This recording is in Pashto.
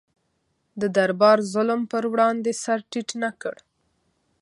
د دربار ظلم پر وړاندې سر ټیټ نه کړ.